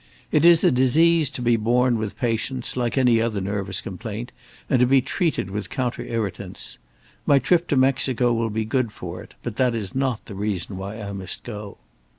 It is a disease to be borne with patience, like any other nervous complaint, and to be treated with counter irritants. My trip to Mexico will be good for it, but that is not the reason why I must go."